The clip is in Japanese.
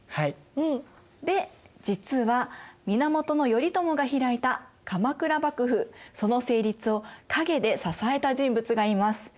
うん！で実は源頼朝が開いた鎌倉幕府その成立を陰で支えた人物がいます。